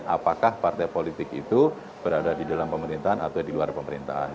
apakah partai politik itu berada di dalam pemerintahan atau di luar pemerintahan